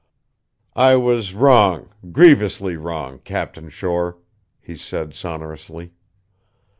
"I was wrong, grievously wrong, Captain Shore," he said sonorously.